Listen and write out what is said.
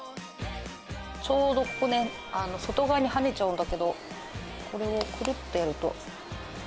ちょうどここね外側に跳ねちゃうんだけどこれをクルッとやると。